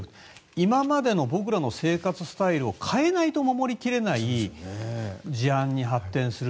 今までの僕らの生活スタイルを変えないと守り切れない事案に発展する。